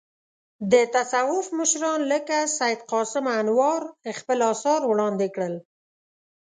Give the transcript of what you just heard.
د تصوف مشران لکه سید قاسم انوار خپل اثار وړاندې کړل.